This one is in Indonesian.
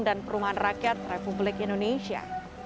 dan perumahan rakyat republik indonesia